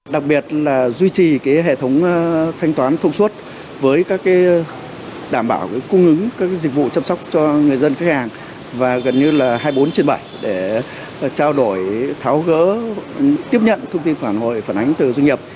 đặc biệt là duy trì hệ thống thanh toán thông suốt với các đảm bảo cung ứng các dịch vụ chăm sóc cho người dân khách hàng và gần như là hai mươi bốn trên bảy để trao đổi tháo gỡ tiếp nhận thông tin phản hồi phản ánh từ doanh nghiệp